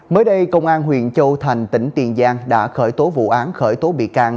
mới đây công an huyện châu thành tỉnh tiền giang đã khởi tố vụ án khởi tố bị can